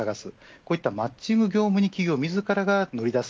こういったマッチング業務に企業自らが乗り出す。